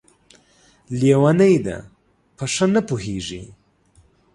لېونۍ ده ، په ښه نه پوهېږي!